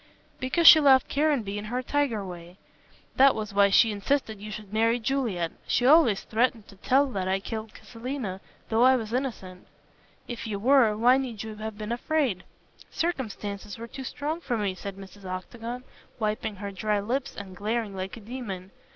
"Because she loved Caranby in her tiger way. That was why she insisted you should marry Juliet. She always threatened to tell that I had killed Selina, though I was innocent." "If you were, why need you have been afraid?" "Circumstances were too strong for me," said Mrs. Octagon, wiping her dry lips and glaring like a demon.